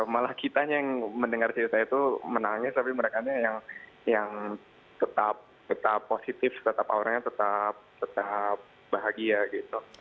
malah kita yang mendengar cerita itu menangis tapi mereka yang tetap positif tetap orangnya tetap bahagia gitu